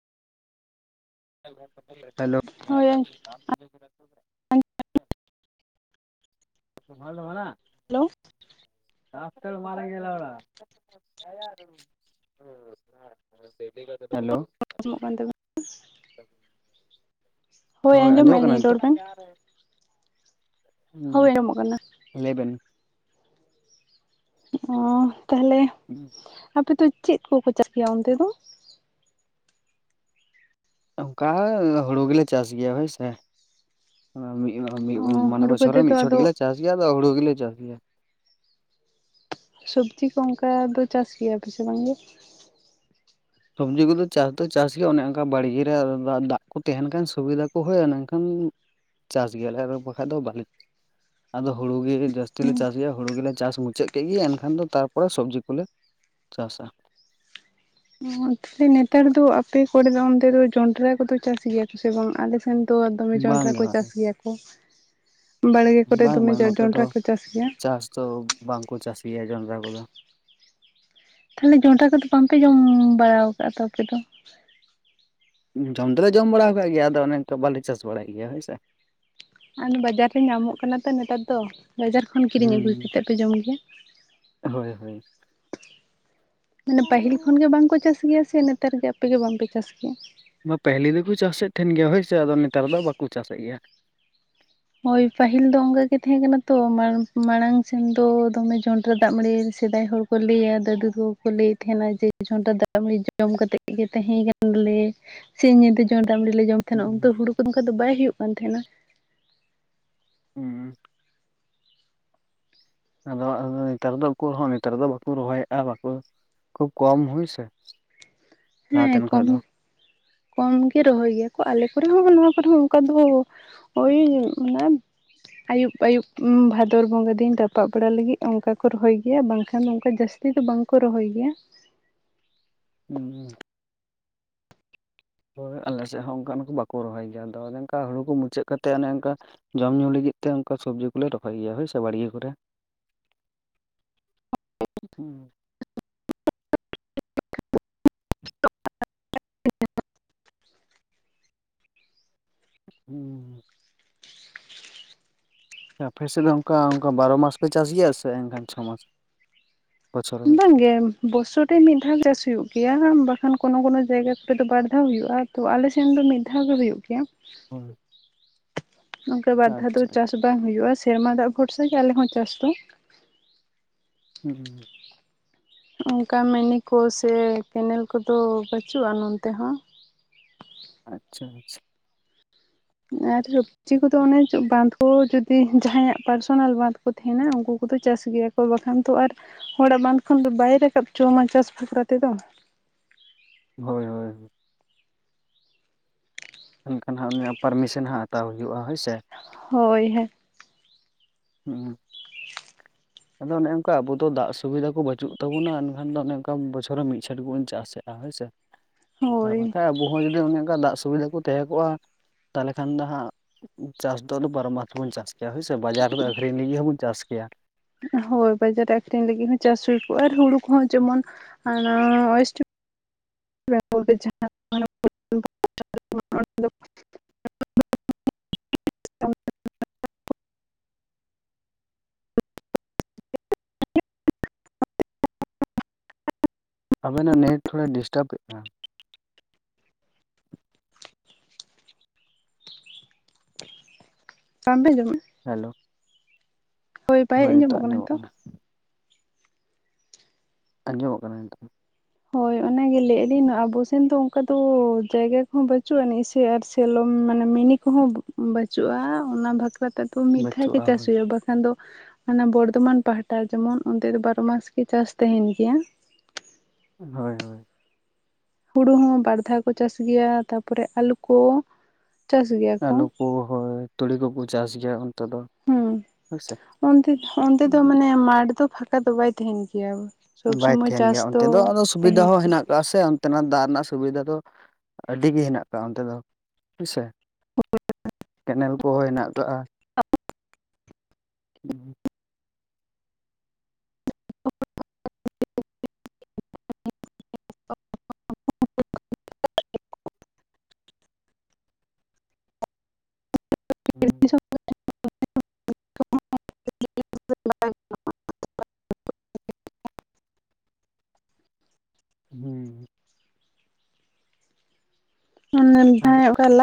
Hello ᱦᱳᱭ [unintelligible] [unintelligible] hello [unintelligible] hello ᱵᱟᱝ ᱟᱡᱚᱢᱚᱜ ᱠᱟᱱ ᱛᱟᱵᱮᱱᱟ ᱦᱳᱭ ᱟᱸᱡᱚᱢ ᱟᱸᱡᱚᱢᱮᱫᱼᱟ ᱠᱟᱱᱟ ᱞᱤᱧ ᱨᱚᱲ ᱱᱤᱛᱚᱜ, ᱵᱮᱱ ᱦᱳᱭ ᱟᱸᱡᱚᱢᱚᱜ ᱠᱟᱱᱟ ᱞᱟᱹᱭᱵᱮᱱ ᱚ ᱛᱟᱦᱚᱞᱮ ᱦᱩᱸ ᱟᱯᱮᱫᱚ ᱪᱮᱫ ᱠᱚᱠᱚ ᱪᱟᱥᱜᱮᱭᱟ ᱚᱱᱛᱮ ᱫᱚ ᱚᱱᱠᱟ ᱦᱩᱲᱩ ᱜᱮᱞᱮ ᱪᱟᱥ ᱜᱮᱭᱟ ᱦᱳᱭ ᱥᱮ ᱚ ᱢᱚᱱᱮ ᱦᱩᱲᱩ ᱵᱚᱪᱷᱚᱨ ᱵᱟᱫᱮ ᱨᱮ ᱫᱚ ᱢᱤᱫ ᱪᱷᱚᱴ ᱟᱫᱚ ᱜᱮᱞᱮ ᱪᱟᱥ ᱜᱮᱭᱟ ᱟᱫᱚ ᱦᱩᱲᱩ ᱜᱮᱞᱮ ᱪᱟᱥ ᱜᱮᱭᱟ ᱥᱚᱵᱽᱡᱤ ᱠᱚ ᱚᱱᱠᱟ ᱫᱚ ᱪᱟᱥ ᱜᱮᱭᱟ ᱯᱮᱥᱮ ᱵᱟᱝᱜᱮ ᱥᱚᱵᱽᱡᱤ ᱠᱚᱫᱚ ᱪᱟᱥ ᱫᱚ ᱪᱟᱥ ᱜᱮᱭᱟ ᱚᱱᱮ ᱚᱱᱠᱟ ᱵᱟᱲᱜᱮ ᱨᱮ ᱫᱟᱜ ᱠᱚ ᱛᱟᱦᱮᱱ ᱠᱷᱟᱱ ᱥᱩᱵᱤᱫᱷᱟ ᱠᱚ ᱦᱩᱭᱩᱜᱼᱟ ᱢᱮᱱᱠᱷᱟᱱ ᱪᱟᱥ ᱜᱮᱭᱟᱞᱮ ᱟᱨ ᱵᱟᱠᱷᱟᱱ ᱫᱚ ᱵᱟᱞᱮ ᱟᱫᱚ ᱦᱩᱲᱩ ᱜᱮ ᱡᱟᱹᱥᱛᱤ ᱞᱮ ᱪᱟᱥ ᱜᱮᱭᱟ ᱦᱩᱲᱩ ᱜᱮᱞᱮ ᱪᱟᱥ ᱢᱩᱪᱟᱹᱫ ᱠᱮᱫ ᱜᱮ ᱮᱱᱠᱷᱟᱱ ᱫᱚ ᱛᱟᱨᱯᱚᱨᱮ ᱥᱚᱵᱽᱡᱤ ᱠᱚᱞᱮ ᱪᱟᱥᱟ ᱛᱟᱦᱮ ᱱᱮᱛᱟᱨ ᱫᱚ ᱟᱯᱮ ᱠᱚᱨᱮ ᱫᱚ ᱚᱱᱛᱮ ᱫᱚ ᱡᱚᱱᱰᱨᱟ ᱠᱚᱫᱚ ᱪᱟᱥ ᱜᱮᱭᱟ ᱠᱚ ᱥᱮ ᱵᱟᱝ ᱟᱞᱮᱥᱮᱱ ᱛᱚ ᱫᱚᱢᱮ ᱵᱟᱝ ᱡᱚᱱᱰᱨᱟ ᱜᱮ ᱠᱚ ᱪᱟᱥ ᱵᱟᱝ ᱜᱮᱭᱟ ᱠᱚ ᱵᱟᱲᱜᱮ ᱠᱚᱨᱮ ᱵᱟᱝ ᱫᱚᱢᱮ ᱵᱟᱝ ᱱᱚᱛᱮ ᱫᱚ ᱡᱚᱱᱰᱨᱟ ᱠᱚ ᱪᱟᱥ ᱜᱮᱭᱟ ᱪᱟᱥ ᱫᱚ ᱵᱟᱝ ᱠᱚ ᱪᱟᱹᱥ ᱜᱮᱭᱟ ᱡᱚᱱᱰᱨᱟ ᱠᱚᱫᱚ ᱛᱟᱦᱚᱞᱮ ᱡᱚᱱᱰᱨᱟ ᱠᱚᱫᱚ ᱵᱟᱝᱯᱮ ᱡᱚᱢ ᱵᱟᱲᱟ ᱠᱟᱜᱼᱟ ᱛᱚ ᱟᱯᱮ ᱫᱚ ᱡᱚᱢ ᱫᱚᱞᱮ ᱡᱚᱢ ᱵᱟᱲᱟ ᱟᱠᱟᱜ ᱜᱮᱭᱟ ᱟᱫᱚ ᱚᱱᱮ ᱱᱤᱛᱚᱜ ᱵᱟᱞᱮ ᱪᱟᱥ ᱵᱟᱲᱟᱭ ᱜᱮᱭᱟ ᱦᱳᱭ ᱥᱮ ᱟᱨ ᱵᱟᱡᱟᱨ ᱨᱮ ᱧᱟᱢᱚᱜ ᱠᱟᱱᱟ ᱛᱚ ᱱᱮᱛᱟᱨ ᱫᱚ ᱵᱟᱡᱟᱨ ᱠᱷᱚᱱ ᱠᱤᱨᱤᱧ ᱟᱹᱜᱩ ᱦᱩᱸ ᱠᱟᱛᱮ ᱯᱮ ᱡᱚᱢ ᱜᱮᱭᱟ ᱦᱳᱭ ᱦᱳᱭ ᱢᱟᱱᱮ ᱯᱟᱹᱦᱤᱞ ᱠᱷᱚᱱᱜᱮ ᱵᱟᱝᱠᱚ ᱪᱟᱥ ᱜᱮᱭᱟ ᱥᱮ ᱱᱮᱛᱟᱨ ᱜᱮ ᱟᱯᱮ ᱜᱮ ᱵᱟᱝᱯᱮ ᱪᱟᱥ ᱜᱮᱭᱟ ᱵᱟ ᱯᱟᱹᱦᱤᱞᱤ ᱫᱚᱠᱚ ᱪᱟᱥᱮᱫ ᱛᱟᱦᱮᱱ ᱜᱮᱭᱟ ᱦᱳᱭᱥᱮ ᱟᱫᱚ ᱱᱮᱛᱟᱨ ᱫᱚ ᱵᱟᱠᱚ ᱪᱟᱥᱮᱫ ᱜᱮᱭᱟ ᱦᱳᱭ ᱯᱟᱹᱦᱤᱞ ᱫᱚ ᱚᱱᱠᱟ ᱜᱮ ᱛᱟᱦᱮᱸ ᱠᱟᱱᱟ ᱛᱚ ᱢᱟᱲᱟᱝ ᱥᱮᱱ ᱫᱚ ᱫᱚᱢᱮ ᱡᱚᱱᱰᱨᱟ ᱫᱟᱜ ᱢᱟᱹᱲᱤ ᱥᱮᱫᱟᱭ ᱦᱚᱲ ᱠᱚ ᱠᱚ ᱞᱟᱹᱭᱟ ᱫᱟᱫᱩ ᱛᱟᱠᱚ ᱠᱚ ᱞᱟᱹᱭᱮᱫ ᱛᱟᱦᱮᱱᱟ ᱡᱮ ᱡᱚᱱᱰᱨᱟ ᱫᱟᱜ ᱢᱟᱨᱤ ᱡᱚᱢ ᱠᱟᱛᱮᱫ ᱜᱮ ᱛᱟᱦᱮᱸ ᱠᱟᱱᱞᱮ ᱥᱤᱧ ᱧᱤᱫᱟᱹ ᱡᱚᱸᱱᱰᱨᱟ ᱫᱟᱜᱢᱟᱰᱤ ᱞᱮ ᱡᱚᱢᱮᱜ ᱛᱟᱦᱮᱱᱟ᱾ ᱩᱱᱛᱮ ᱦᱩᱲᱩ ᱠᱚᱫᱚ ᱱᱚᱝᱠᱟ ᱫᱚ ᱵᱟᱭ ᱦᱩᱭᱩᱜ ᱠᱟᱱ ᱛᱟᱦᱮᱱᱟ᱾ ᱦᱮᱸ᱾ ᱟᱫᱚ ᱱᱮᱛᱟᱨ ᱫᱚ ᱩᱠᱩᱨ ᱦᱚᱸ ᱱᱮᱛᱟᱨ ᱫᱚ ᱵᱟᱠᱚ ᱨᱚᱦᱚᱭᱮᱫᱼᱟ᱾ ᱵᱟᱠᱚ ᱠᱷᱩᱵ ᱠᱚᱢ ᱦᱳᱭᱥᱮ᱾ ᱦᱮᱸ ᱠᱚᱢ ᱠᱚᱢ ᱜᱮ ᱨᱚᱦᱚᱭ ᱜᱮᱭᱟ ᱠᱚ ᱟᱞᱮ ᱠᱚᱨᱮ ᱦᱚᱸ ᱱᱚᱣᱟ ᱠᱚᱨᱮ ᱦᱚᱸ ᱚᱱᱠᱟ ᱫᱚ ᱳᱭ ᱚᱱᱟ ᱟᱭᱩᱵ ᱟᱭᱩᱵ ᱵᱷᱟᱫᱚᱨ ᱵᱚᱸᱜᱟ ᱫᱤᱱ ᱨᱟᱯᱟᱜ ᱵᱟᱲᱟ ᱞᱟᱜᱤᱫ ᱚᱱᱠᱟ ᱠᱚ ᱨᱚᱦᱚᱭ ᱜᱮᱭᱟ᱾ ᱵᱟᱝᱠᱷᱟᱱ ᱫᱚ ᱚᱱᱠᱟ ᱡᱟᱥ ᱡᱟᱥᱛᱤ ᱫᱚ ᱵᱟᱝ ᱠᱚ ᱨᱚᱦᱚᱭ ᱜᱮᱭᱟ᱾ [inaudible] ᱟᱞᱮ ᱥᱮᱫ ᱦᱚᱸ ᱚᱱᱠᱟᱱ ᱵᱟᱠᱚ ᱨᱚᱦᱚᱭ ᱜᱮᱭᱟ᱾ ᱟᱫᱚ ᱚᱱᱮ ᱚᱱᱠᱟ ᱦᱩᱲᱩ ᱠᱚ ᱢᱩᱪᱟᱹᱫ ᱠᱟᱛᱮ ᱚᱱᱮ ᱚᱱᱠᱟ ᱡᱚᱢ ᱧᱩ ᱞᱟᱹᱜᱤᱫ ᱛᱮ ᱚᱱᱠᱟ ᱥᱚᱵᱽᱡᱤ ᱠᱚᱞᱮ ᱨᱚᱦᱚᱭ ᱜᱮᱭᱟ ᱦᱳᱭᱥᱮ ᱵᱟᱲᱜᱮ ᱠᱚᱨᱮ᱾ [inaudible] ᱦᱩ᱾ ᱟᱯᱮ ᱥᱮᱫ ᱫᱚ ᱚᱱᱠᱟ ᱚᱱᱠᱟ ᱵᱟᱨᱚ ᱢᱟᱥ ᱯᱮ ᱪᱟᱥ ᱜᱮᱭᱟ ᱥᱮ ᱮᱱᱠᱷᱟᱱ [unintelligible] ᱵᱚᱪᱷᱚᱨ ᱨᱮ ᱢᱤᱫ ᱵᱟᱝ ᱜᱮ᱾ ᱵᱚᱥᱚᱨ ᱨᱮ ᱢᱤᱫ ᱫᱷᱟᱣ ᱪᱟᱥ ᱦᱩᱭᱩᱜ ᱜᱮᱭᱟ᱾ ᱵᱟᱠᱷᱟᱱ ᱠᱳᱱᱳ ᱠᱳᱱᱳ ᱡᱟᱭᱜᱟ ᱠᱚᱨᱮ ᱫᱚ ᱵᱟᱨ ᱫᱷᱟᱣ ᱦᱩᱭᱩᱜᱼᱟ᱾ ᱛᱚ ᱟᱞᱮᱥᱮᱱ ᱫᱚ ᱢᱤᱫ ᱫᱷᱟᱣ ᱜᱮ ᱦᱩᱭᱩᱜ ᱜᱮᱭᱟ᱾ ᱦᱳᱭ ᱱᱚᱝᱠᱟ ᱵᱟᱨ ᱫᱷᱟᱣ ᱫᱚ ᱟᱪᱪᱷᱟ ᱪᱟᱥ ᱟᱪᱪᱷᱟ ᱵᱟᱝ ᱦᱩᱭᱩᱜᱼᱟ᱾ ᱥᱮᱨᱢᱟ ᱫᱟᱜ ᱵᱷᱚᱨᱥᱟ ᱜᱮ ᱟᱞᱮ ᱦᱚᱸ ᱪᱟᱥ ᱫᱚ᱾ ᱦᱩᱸ ᱦᱩᱸ ᱾ ᱚᱱᱠᱟ ᱢᱤᱱᱤ ᱠᱳ ᱥᱮ ᱠᱮᱱᱮᱞ ᱠᱚᱫᱚ ᱵᱟᱪᱩᱜᱼᱟ ᱱᱚᱱᱛᱮ ᱦᱚᱸ᱾ ᱟᱪᱪᱷᱟ ᱟᱪᱪᱷᱟ᱾ ᱟᱨ [unintelligible] ᱡᱤ ᱠᱚᱫᱚ ᱚᱱᱮ ᱵᱟᱸᱫᱷ ᱠᱚ ᱡᱩᱫᱤ ᱡᱟᱦᱟᱭᱟᱜ ᱯᱟᱨᱥᱚᱱᱟᱞ ᱵᱟᱸᱫᱷ ᱠᱚ ᱛᱟᱦᱮᱱᱟ ᱩᱱᱠᱩ ᱠᱚᱫᱚ ᱪᱟᱥ ᱜᱮᱭᱟ ᱠᱚ᱾ ᱦᱚ ᱵᱟᱠᱷᱟᱱ ᱛᱚ ᱟᱨ ᱦᱚᱲᱟᱜ ᱵᱟᱫᱷ ᱠᱷᱚᱱ ᱫᱚ ᱵᱟᱭ ᱨᱟᱠᱟᱵ ᱪᱚᱣ ᱟᱢᱟ ᱪᱟᱥ ᱵᱟᱠᱷᱨᱟ ᱛᱮᱫᱚ᱾ ᱦᱳᱭ ᱦᱳᱭ᱾ ᱮᱱᱠᱷᱟᱱ ᱦᱟᱸᱜ ᱩᱱᱤᱭᱟᱜ ᱯᱟᱨᱢᱤᱥᱮᱱ ᱦᱟᱸᱜ ᱦᱟᱛᱟᱣ ᱦᱩᱭᱩᱜᱼᱟ ᱦᱳᱭ ᱥᱮ᱾ ᱦᱳᱭ ᱦᱮᱸ᱾ ᱦᱩᱸ᱾ ᱟᱫᱚ ᱚᱱᱮ ᱚᱝᱠᱟ ᱟᱵᱚ ᱫᱚ ᱫᱟᱜ ᱥᱩᱵᱤᱫᱷᱟ ᱠᱚ ᱵᱟᱪᱩᱜ ᱛᱟᱵᱚᱱᱟ ᱮᱱᱠᱷᱟᱱ ᱫᱚ ᱚᱱᱮ ᱚᱱᱠᱟ ᱵᱚᱪᱷᱚᱨ ᱨᱮ ᱢᱤᱫ ᱪᱷᱚᱴ ᱜᱮ ᱵᱚᱱ ᱪᱟᱥᱮᱜᱼᱟ ᱦᱳᱭ ᱥᱮ᱾ ᱟᱨ ᱦᱳᱭ ᱵᱟᱠᱷᱟᱡ ᱟᱵᱚ ᱦᱚᱸ ᱡᱩᱫᱤ ᱚᱱᱮ ᱚᱱᱠᱟ ᱫᱟᱜ ᱥᱮ ᱥᱩᱵᱤᱫᱟ ᱠᱚ ᱛᱟᱦᱮᱸ ᱠᱚᱜᱼᱟ᱾ ᱛᱟᱦᱚᱞᱮ ᱠᱷᱟᱱ ᱫᱚ ᱦᱟᱸᱜ ᱪᱟᱥ ᱫᱚ ᱟᱫᱚ ᱵᱟᱨᱚ ᱢᱟᱥᱵᱚᱱ ᱪᱟᱥ ᱦᱳᱭᱥᱮ ᱵᱟᱡᱟᱨ ᱨᱮ ᱟᱹᱠᱷᱨᱤᱧ ᱞᱟᱹᱜᱤᱫ ᱦᱚᱵᱚᱱ ᱪᱟᱥ ᱠᱮᱭᱟ᱾ ᱦᱳᱭ ᱵᱟᱡᱟᱨ ᱨᱮ ᱟᱠᱷᱨᱤᱧ ᱞᱟᱹᱜᱤᱫ ᱦᱚᱸ ᱪᱟᱥ ᱦᱩᱭ ᱠᱚᱜᱼᱟ᱾ ᱟᱨ ᱦᱩᱲᱩ ᱠᱚᱦᱚ ᱡᱮᱢᱚᱱ [unintelligible] [unintelligible] ᱟᱵᱮᱱᱟᱜ ᱱᱮᱴ ᱛᱷᱚᱲᱟᱭ ᱰᱤᱥᱴᱟᱵ ᱮᱜ-ᱟ᱾ ᱵᱟᱝᱵᱮᱱ ᱟᱸᱡᱚᱢᱮᱜ ᱦᱮᱞᱳ᱾ ᱦᱳᱭ ᱵᱟᱭ ᱟᱸᱡᱚᱢᱚᱜ ᱠᱟᱱᱟ ᱱᱤᱛᱚᱜ? ᱟᱸᱡᱚᱢᱚᱜ ᱠᱟᱱᱟ ᱱᱤᱛᱚᱝ᱾ ᱦᱳᱭ ᱚᱱᱟ ᱜᱮ ᱞᱟᱹᱭ ᱟᱞᱤᱧ ᱟᱵᱚ ᱥᱮᱱ ᱫᱚ ᱚᱱᱠᱟ ᱫᱚ ᱡᱟᱭᱜᱟ ᱠᱚᱦᱚ ᱵᱟᱪᱩᱜ ᱟᱱᱤᱡ ᱥᱮ ᱟᱨ ᱥᱮᱞᱚᱢ ᱢᱟᱱᱮ ᱢᱤᱱᱤ ᱠᱚᱦᱚ ᱵᱟᱪᱩᱜᱼᱟ᱾ ᱚᱱᱟ ᱵᱟᱠᱷᱨᱟ ᱛᱮᱫᱚ ᱢᱤᱫ ᱫᱷᱟᱣ ᱜᱮ ᱵᱟᱹᱪᱩᱜᱼᱟ ᱪᱟᱥ ᱦᱳᱭ ᱦᱩᱭᱩᱜᱼᱟ᱾ ᱵᱟᱜ ᱟᱫᱚ ᱚᱱᱟ ᱵᱚᱨᱫᱷᱚᱢᱟᱱ ᱯᱟᱦᱴᱟ ᱡᱮᱢᱚᱱ ᱚᱱᱛᱮ ᱫᱚ ᱵᱟᱨᱚ ᱢᱟᱥ ᱜᱮ ᱪᱟᱥ ᱛᱟᱦᱮᱱ ᱜᱮᱭᱟ᱾ ᱦᱳᱭ ᱦᱳᱭ᱾ ᱦᱩᱲᱩ ᱦᱚ ᱵᱟᱨ ᱫᱷᱟᱣ ᱠᱚ ᱪᱟᱥ ᱜᱮᱭᱟ᱾ ᱛᱟᱯᱚᱨᱮ ᱟᱞᱩ ᱠᱚ, ᱪᱟᱥ ᱜᱮᱭᱟ᱾ ᱟᱞᱩ ᱠᱚ ᱦᱳᱭ ᱛᱩᱲᱤ ᱠᱚᱠᱚ ᱪᱟᱥ ᱜᱮᱭᱟ ᱚᱱᱛᱮ ᱫᱚ᱾ ᱦᱮᱸ ᱦᱳᱭᱥᱮ ᱚᱱᱛᱮ ᱚᱱᱛᱮ ᱫᱚ ᱢᱟᱱᱮ ᱢᱟᱴᱷ ᱫᱚ ᱯᱷᱟᱸᱠᱟ ᱫᱚ ᱵᱟᱭ ᱛᱟᱦᱮᱱ ᱜᱮᱭᱟ᱾ ᱥᱚᱵ ᱵᱟᱭ ᱥᱚᱢᱚᱭ ᱛᱟᱦᱮᱱ ᱪᱟᱥ ᱜᱮᱭᱟ᱾ ᱚᱱᱛᱮ ᱫᱚ ᱟᱫᱚ ᱥᱩᱵᱤᱫᱟ ᱛᱟᱦᱮᱱ ᱦᱚᱸ ᱜᱮᱭᱟ᱾ ᱦᱮᱱᱟᱜ ᱟᱠᱟᱜ-ᱟ ᱥᱮ ᱚᱱᱛᱮ ᱱᱟᱜ ᱫᱟᱜ ᱨᱮᱱᱟᱜ ᱥᱩᱵᱤᱫᱷᱟ ᱫᱚ ᱟᱹᱰᱤ ᱜᱮ ᱦᱮᱱᱟᱜ ᱟᱠᱟᱜᱼᱟ ᱦᱳᱭ ᱥᱮ᱾ [unintelligible] ᱠᱮᱱᱮᱞ ᱠᱚᱦᱚ ᱦᱮᱱᱟᱜ ᱟᱠᱟᱜ-ᱟ᱾ ᱦᱩᱸ ᱦᱩᱸ [unintelligible] ᱦᱩᱸ ᱟᱨ [inaudible]